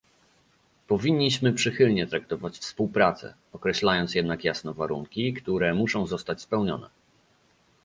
Powinniśmy przychylnie traktować współpracę, określając jednak jasno warunki, które muszą zostać spełnione